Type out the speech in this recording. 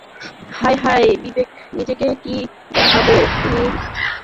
হায় হায় বিবেক নিজেকে কি ভাবো তুমি জিতেছ, আমি হেরেছি, ঠিক না?